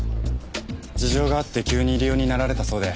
事情があって急に入り用になられたそうで。